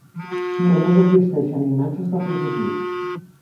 Només existeixen imatges de prototips.